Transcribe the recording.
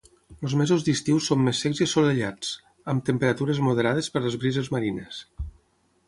Els mesos d'estiu són més secs i assolellats, amb temperatures moderades per les brises marines.